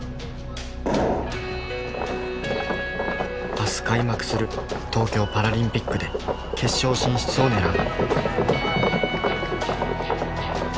明日開幕する東京パラリンピックで決勝進出を狙う。